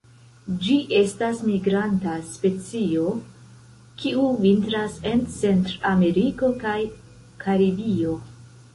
Ĝi estas migranta specio, kiu vintras en Centrameriko kaj Karibio.